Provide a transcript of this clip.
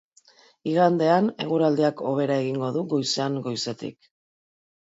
Igandean, eguraldiak hobera egingo du goizean goizetik.